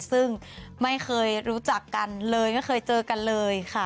ซึ่งไม่เคยรู้จักกันเลยไม่เคยเจอกันเลยค่ะ